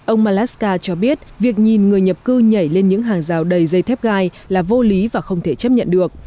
ông malaska cho biết việc nhìn người nhập cư nhảy lên những hàng rào đầy dây thép gai là vô lý và không thể chấp nhận được